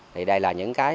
thì đây là những cái